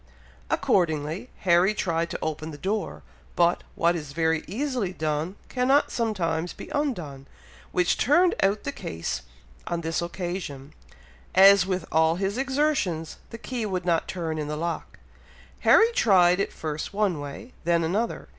Accordingly, Harry tried to open the door, but, what is very easily done cannot sometimes be undone, which turned out the case on this occasion, as, with all his exertions, the key would not turn in the lock! Harry tried it first one way, then another.